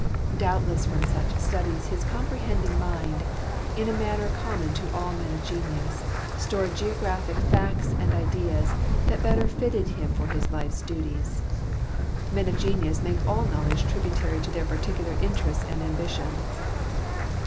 Doubt le.ss from such studies his comprehending mind, in a manner common to all men of genius, stored geographic facts and ideas that better fitted him for his life duties. Men of genius make all knowledge tributary to their particular interests and ambitions.